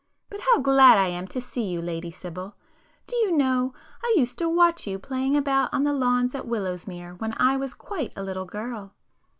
But how glad I am to see you, Lady Sibyl! Do you know I used to watch you playing about on the lawns at Willowsmere when I was quite a little girl?"